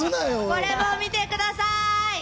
これも見てください！